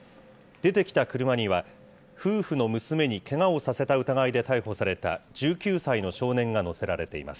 出てきた車には、夫婦の娘にけがをさせた疑いで逮捕された１９歳の少年が乗せられています。